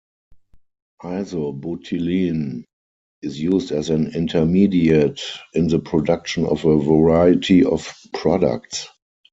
Isobutylene is used as an intermediate in the production of a variety of products.